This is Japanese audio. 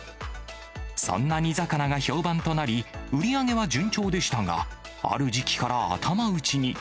そんな煮魚が評判となり、売り上げは順調でしたが、ある時期から頭打ちに。